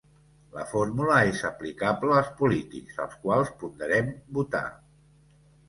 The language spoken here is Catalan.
La fórmula és aplicable als polítics als quals ponderem votar.